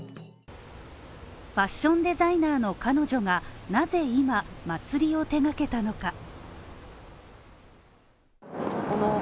ファッションデザイナーの彼女が、なぜ今、祭を手がけたのか。